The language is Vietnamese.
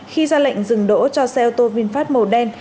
khi ra lệnh dừng đỗ cho xe ô tô vinfast màu đen